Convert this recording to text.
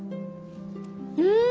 うん。